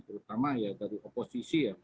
terutama ya dari oposisi ya